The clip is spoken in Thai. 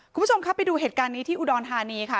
คุณผู้ชมครับไปดูเหตุการณ์นี้ที่อุดรธานีค่ะ